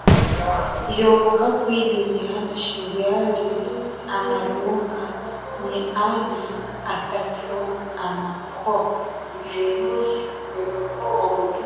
Yobo kapwile nyi ana shimbiali a malunga, nyi ana atathu amapwo.